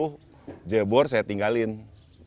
akhirnya pada tahun dua ribu sepuluh saya tinggalkan jebor